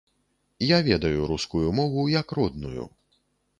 Я ведаю рускую мову як родную.